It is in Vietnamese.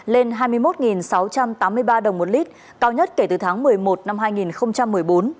lên hai mươi một sáu trăm tám mươi ba đồng một lít cao nhất kể từ tháng một mươi một năm hai nghìn một mươi bốn